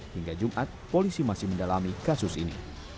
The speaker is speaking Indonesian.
hingga jumat polisi masih mendalami kasus ini